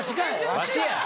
わしや！